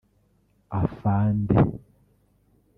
Afande